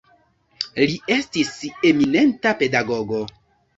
Li estis eminenta pedagogo.